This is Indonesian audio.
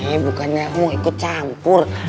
ini bukannya mau ikut campur